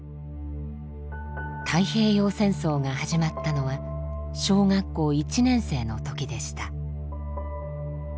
太平洋戦争が始まったのは小学校１年生の時でした。